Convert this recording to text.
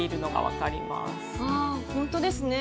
ああほんとですね。